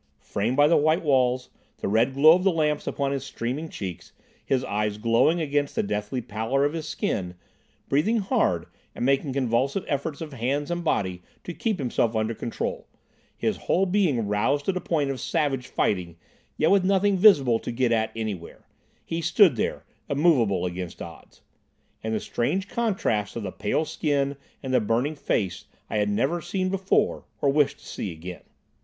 Framed by the white walls, the red glow of the lamps upon his streaming cheeks, his eyes glowing against the deathly pallor of his skin, breathing hard and making convulsive efforts of hands and body to keep himself under control, his whole being roused to the point of savage fighting, yet with nothing visible to get at anywhere—he stood there, immovable against odds. And the strange contrast of the pale skin and the burning face I had never seen before, or wish to see again.